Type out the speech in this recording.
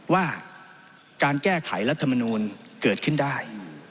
ว่าการแก้ไขรัฐมนูลเกิดขึ้นได้